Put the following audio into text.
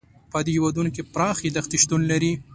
په دې هېوادونو کې پراخې دښتې شتون لري.